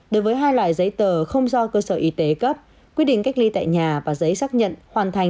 đối với hai loại giấy tờ không do cơ sở y tế cấp quy định cách ly tại nhà và giấy xác nhận hoàn thành